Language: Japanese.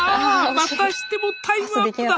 またしてもタイムアップだ。